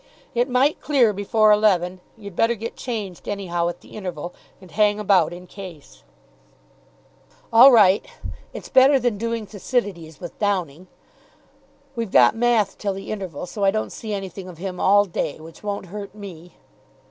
"It might clear before eleven. You'd better get changed, anyhow, at the interval, and hang about in case." "All right. It's better than doing Thucydides with Downing. We've got math, till the interval, so I don't see anything of him all day; which won't hurt me."